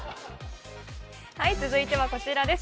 続いてはこちらです。